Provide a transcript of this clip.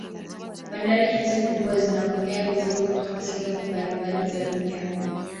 Bandari hizi kubwa zinapokea mizigo kutoka sehemu mbalimbali za dunia